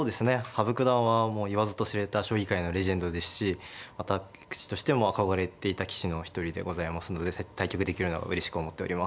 羽生九段はもう言わずと知れた将棋界のレジェンドですしまた棋士としても憧れていた棋士のお一人でございますので対局できるのをうれしく思っております。